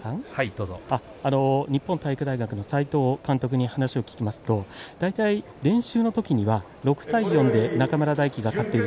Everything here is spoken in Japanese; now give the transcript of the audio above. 日本体育大学の齋藤監督に話を聞きますと大体、練習のときには６対４で中村泰輝が勝っている。